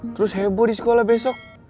terus heboh di sekolah besok